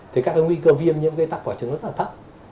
thế các nguy cơ viêm nhiễm gây tắc vỏ trứng rất là thấp